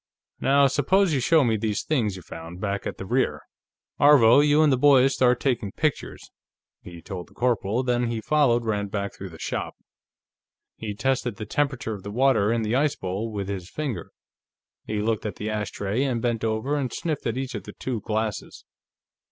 "Now, suppose you show me these things you found, back at the rear ... Aarvo, you and the boys start taking pictures," he told the corporal, then he followed Rand back through the shop. He tested the temperature of the water in the ice bowl with his finger. He looked at the ashtray, and bent over and sniffed at each of the two glasses.